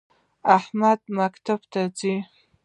احمد مکتب ته ځی